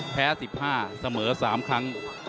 แพ้๑๕เสมอ๓ครั้ง